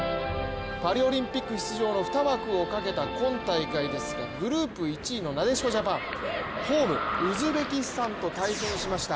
パリオリンピック出場の２枠をかけた今大会ですが、グループ１位のなでしこジャパン、ホーム、ウズベキスタンと対戦しました。